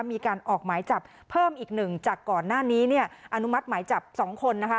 มีการออกหมายจับเพิ่มอีกหนึ่งจากก่อนหน้านี้เนี่ยอนุมัติหมายจับ๒คนนะคะ